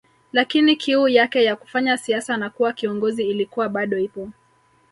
Lakini kiu yake ya kufanya siasa na kuwa kiongozi ilikuwa bado ipo